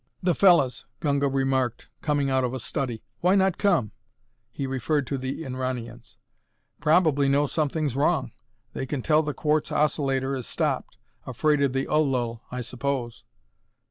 "Th' fellas," Gunga remarked, coming out of a study. "Why not come?" He referred to the Inranians. "Probably know something's wrong. They can tell the quartz oscillator is stopped. Afraid of the Ul lul, I suppose."